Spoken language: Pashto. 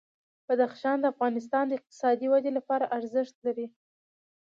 بدخشان د افغانستان د اقتصادي ودې لپاره ارزښت لري.